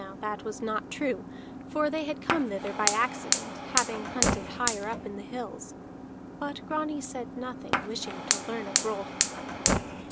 Now that was not true, for they came thither by accident, having hunted higher up in the hills. But Grani said nothing, wishing to learn of Rolf.